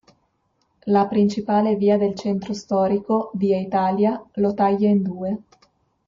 La principale via del centro storico, via Italia, lo taglia in due.